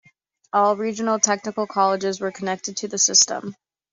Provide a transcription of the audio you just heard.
All Regional Technical Colleges were connected to the system.